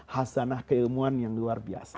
hazanah keilmuan yang luar biasa